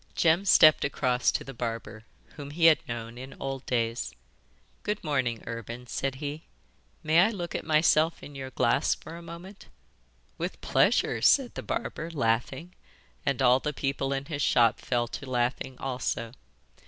Jem stepped across to the barber, whom he had known in old days. 'Good morning, Urban,' said he; 'may I look at myself in your glass for a moment?' 'With pleasure,' said the barber, laughing, and all the people in his shop fell to laughing also.